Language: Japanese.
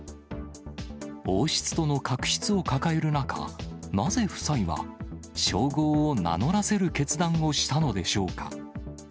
王室との確執を抱える中、なぜ夫妻は、称号を名乗らせる決断をしたのでしょうか。